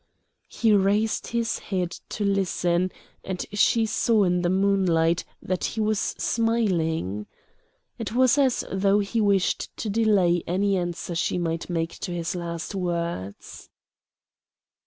He raised his head to listen, and she saw in the moonlight that he was smiling. It was as though he wished to delay any answer she might make to his last words.